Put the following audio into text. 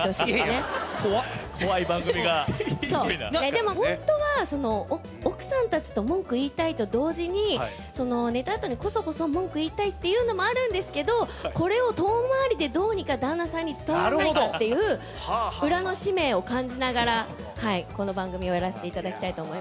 でもホントは奥さんたちと文句言いたいと同時に寝たあとにコソコソ文句言いたいっていうのもあるんですけどこれを遠回りでどうにか旦那さんに伝わらないかっていう裏の使命を感じながらこの番組をやらせて頂きたいと思います。